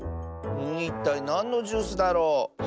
いったいなんのジュースだろう？